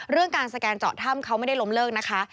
เรื่องการสแกนเจาะถ้ำเขาไม่ได้ล้มเลิกนะคะ